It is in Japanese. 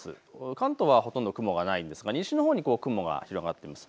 関東はほとんど雲がないんですが西のほうに雲が広がっています。